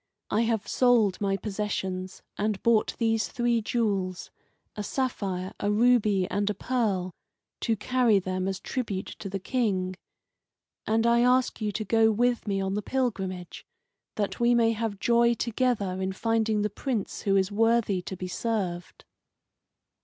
I have sold my possessions, and bought these three jewels a sapphire, a ruby, and a pearl to carry them as tribute to the King. And I ask you to go with me on the pilgrimage, that we may have joy together in finding the Prince who is worthy to be served."